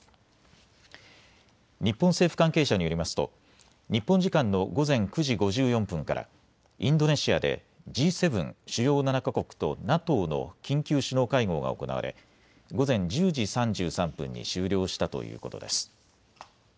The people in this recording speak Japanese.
日本政府関係者によりますと日本時間の午前９時５４分からインドネシアでＧ７・主要７か国とＮＡＴＯの緊急首脳会合が行われ午前１０時３３分に終了したということです。